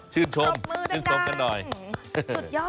ชื่นชมกันหน่อยปรบมือดัง